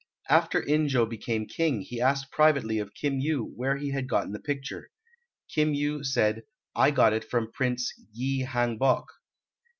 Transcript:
After In jo became king he asked privately of Kim Yu where he had got the picture. Kim Yu said, "I got it from Prince Yi Hang bok."